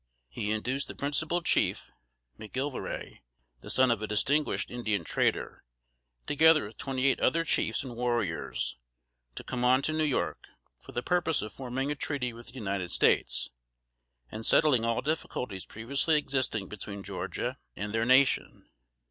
He induced the principal chief, McGillivray, the son of a distinguished Indian trader, together with twenty eight other chiefs and warriors, to come on to New York, for the purpose of forming a treaty with the United States, and settling all difficulties previously existing between Georgia and their nation.